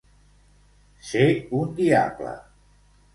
Ser un diable.